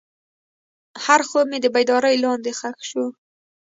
هر خوب مې د بیدارۍ لاندې ښخ شو.